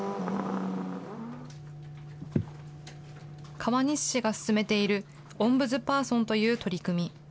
川西市が進めているオンブズパーソンという取り組み。